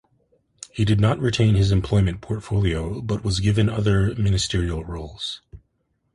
He did not retain his Employment portfolio, but was given other ministerial roles.